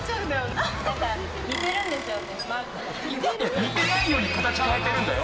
似てないように形変えてるんだよ。